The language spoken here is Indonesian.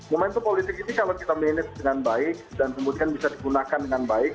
momentum politik ini kalau kita manage dengan baik dan kemudian bisa digunakan dengan baik